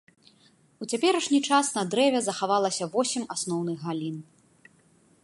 У цяперашні час на дрэве захавалася восем асноўных галін.